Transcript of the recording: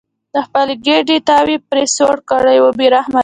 د خپلې ګېډې تاو یې پرې سوړ کړل بې رحمه دي.